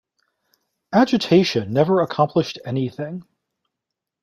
Agitation never accomplished anything.